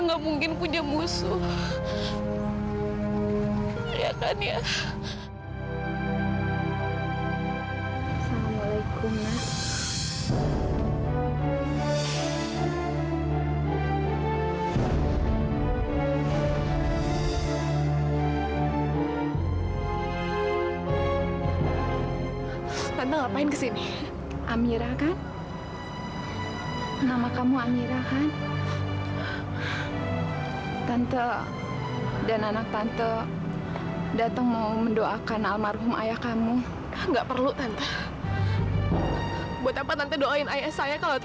sampai jumpa di video selanjutnya